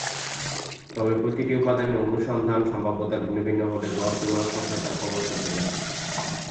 তবে প্রতিটি উপাদানের অনুসন্ধান সম্ভাব্যতা ভিন্ন ভিন্ন হলে গড় তুলনাসংখ্যায় তা প্রভাব ফেলতে পারে।